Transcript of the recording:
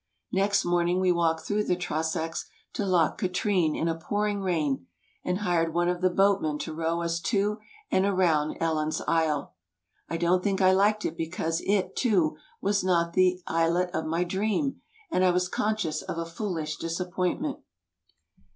Next morning we walked through the Trossachs to Loch Katrine in a pouring rain and hired one of the boat men to row us to and around "Ellen's Isle." I don't think I liked it because it, too, was not the islet of my dream, and I was conscious of a foolish disappointment.